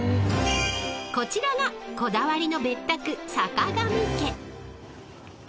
［こちらがこだわりの別宅］